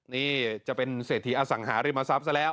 นี่จะเป็นเศรษฐีอสังหาริมทรัพย์ซะแล้ว